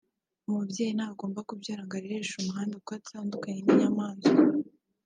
umubyeyi ntagomba kubyara ngo arereshe umuhanda kuko atandukanye n’inyamaswa